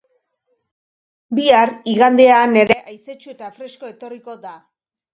Bihar, igandean ere haizetsu eta fresko etorriko da.